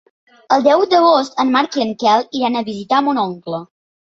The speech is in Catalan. El deu d'agost en Marc i en Quel iran a visitar mon oncle.